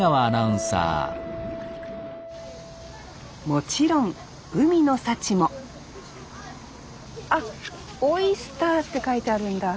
もちろん海の幸もあっ「ＯＹＳＴＥＲ」って書いてあるんだ。